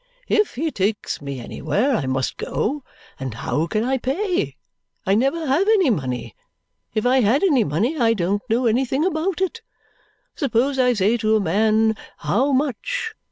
If he takes me anywhere, I must go. And how can I pay? I never have any money. If I had any money, I don't know anything about it. Suppose I say to a man, how much?